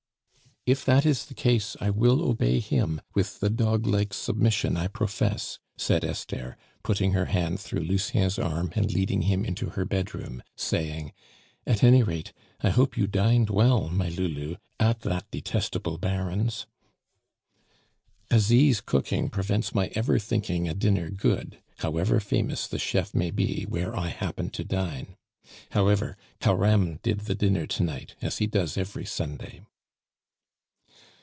"If that is the case, I will obey him with the dog like submission I profess," said Esther, putting her hand through Lucien's arm and leading him into her bedroom, saying, "At any rate, I hope you dined well, my Lulu, at that detestable Baron's?" "Asie's cooking prevents my ever thinking a dinner good, however famous the chef may be, where I happen to dine. However, Careme did the dinner to night, as he does every Sunday."